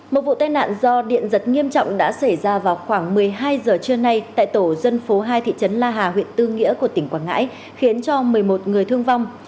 một vụ tai nạn do điện giật nghiêm trọng đã xảy ra vào khoảng một mươi hai giờ trưa nay tại tổ dân phố hai thị trấn la hà huyện tư nghĩa của tỉnh quảng ngãi khiến cho một mươi một người thương vong